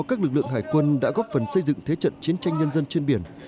các lực lượng hải quân đã góp phần xây dựng thế trận chiến tranh nhân dân trên biển